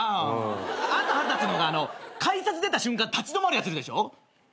あと腹立つのが改札出た瞬間立ち止まるやついるでしょ。